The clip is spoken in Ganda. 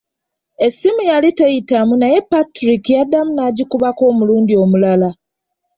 Essimu yali teyitamu naye Patrick yaddamu n'agikubako omulundi omulala.